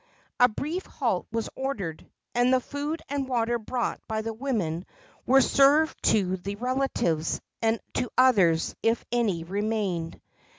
A brief halt was ordered, and the food and water brought by the women were served to their relatives, and to others if any remained.